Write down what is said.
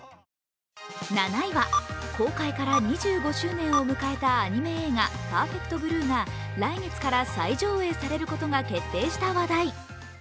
７位は公開から２５周年を迎えたアニメ映画、「ＰＥＲＦＥＣＴＢＬＵＥ」が来月から再上映されることが決定した話題。